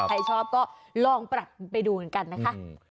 ใครชอบก็ลองปรับไปดูกันนะคะ